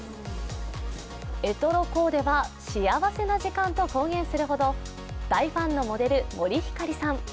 エトロコーデは幸せな時間と公言するほど大ファンのモデル、森星さん。